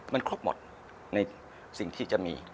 มันครบหมดในสิ่งที่จะมี